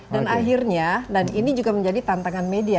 dan akhirnya dan ini juga menjadi tantangan media